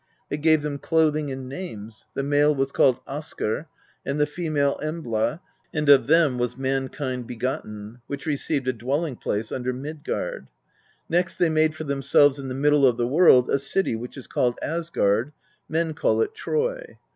They gave them clothing and names: the male was called Askr, and the female Embla, and of them was mankind begotten, which received a dwelling place under Midgard. Next they made for themselves in the middle of the world a city which is called Asgard; men call it Troy.